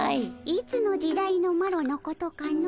いつの時代のマロのことかの？